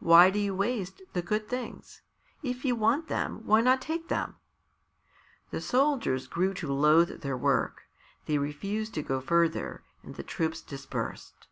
"Why do you waste the good things? If you want them, why not take them?" And the soldiers grew to loathe their work. They refused to go further and the troops dispersed.